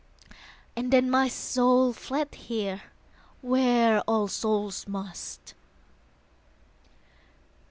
And then my soul fled Here where all souls must.